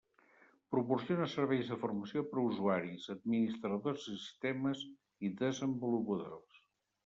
Proporciona serveis de formació per a usuaris, administradors de sistemes i desenvolupadors.